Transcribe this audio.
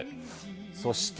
そして。